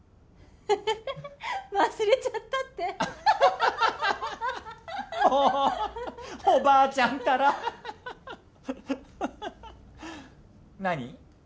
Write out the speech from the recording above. ウフフフ忘れちゃったってもうおばあちゃんったら何？